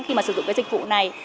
khi mà sử dụng cái dịch vụ này